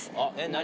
何？